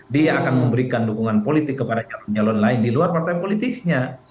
dia akan memberikan dukungan politik kepada calon calon lain di luar partai politiknya